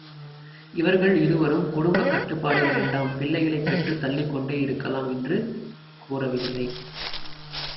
இவர்கள் இருவரும் குடும்பக் கட்டுப்பாடு வேண் டாம், பிள்ளைகளைப் பெற்றுத் தள்ளிக்கொண்டே இருக்கலாம் என்று கூறவில்லை.